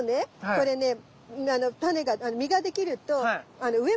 これねタネが実ができると上向きにね開くの。